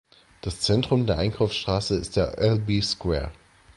Das Zentrum der Einkaufsstraße ist der „Albee Square“.